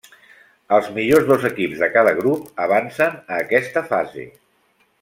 Els millors dos equips de cada grup avancen a aquesta fase.